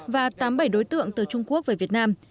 và tám mươi bảy đối tượng từ trung quốc về việt nam